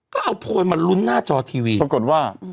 ก็เอาโพยมาลุ้นหน้าจอทีวีปรากฏว่า